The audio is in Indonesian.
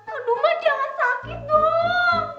aduh man jangan sakit dong